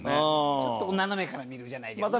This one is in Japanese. ちょっと斜めから見るじゃないけどね。